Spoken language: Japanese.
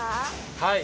はい。